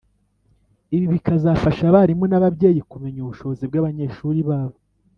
ibi bikazafasha abarimu n’ababyeyi kumenya ubushobozi bw’abanyeshuri babo